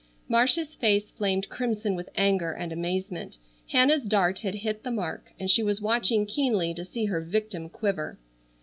Marcia's face flamed crimson with anger and amazement. Hannah's dart had hit the mark, and she was watching keenly to see her victim quiver.